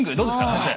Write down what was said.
先生。